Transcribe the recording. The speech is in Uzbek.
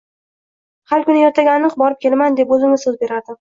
Har kuni, ertaga aniq borib kelaman, deb o`zimga so`z berardim